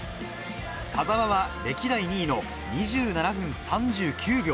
田澤は歴代２位の２７分３９秒。